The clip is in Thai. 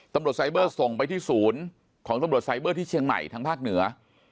ไซเบอร์ส่งไปที่ศูนย์ของตำรวจไซเบอร์ที่เชียงใหม่ทางภาคเหนือ